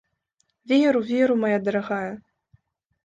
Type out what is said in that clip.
Веру, веру, мая дарагая!